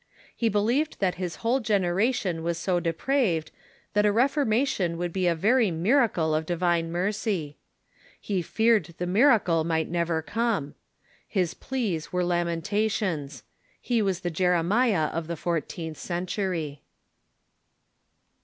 He believed that his whole generation Avas so depraved that a reformation would be a very miracle of divine mercy. He feared the miracle might never come. His pleas were lamentations. He was the Jeremiah of the four teenth century.